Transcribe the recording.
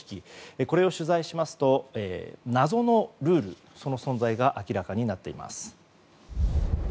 これを取材しますと謎のルールの存在が明らかになっています。